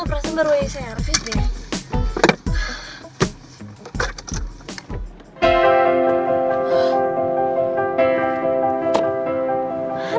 perasaan baru ini servis ya